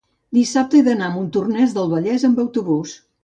dissabte he d'anar a Montornès del Vallès amb autobús.